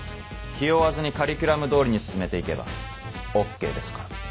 気負わずにカリキュラム通りに進めて行けばＯＫですから。